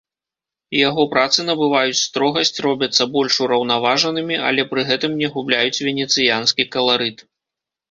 Яго працы набываюць строгасць, робяцца больш ураўнаважанымі, але пры гэтым не губляюць венецыянскі каларыт.